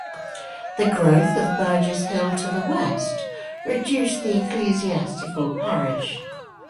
The growth of Burgess Hill to the west reduced the ecclesiastical parish.